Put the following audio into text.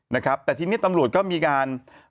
นะครับแต่ทีนี้ตำรวจก็มีการ